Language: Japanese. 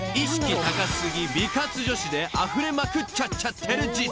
高過ぎ美活女子であふれまくっちゃっちゃってる事態］